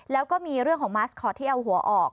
แล้วก็มีเรื่องของมาสคอร์ตที่เอาหัวออก